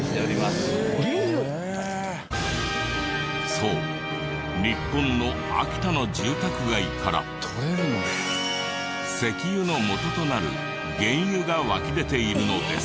そう日本の秋田の住宅街から石油のもととなる原油が湧き出ているのです。